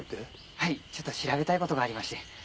はいちょっと調べたいことがありまして。